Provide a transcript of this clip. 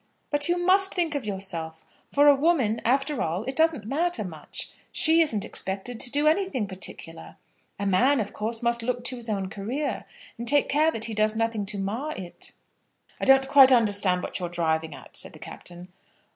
"But you must think of yourself. For a woman, after all, it doesn't matter much. She isn't expected to do anything particular. A man of course must look to his own career, and take care that he does nothing to mar it." "I don't quite understand what you're driving at," said the Captain.